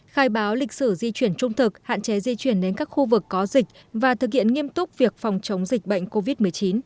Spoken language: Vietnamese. khai báo lịch sử di chuyển trung thực hạn chế di chuyển đến các khu vực có dịch và thực hiện nghiêm túc việc phòng chống dịch bệnh covid một mươi chín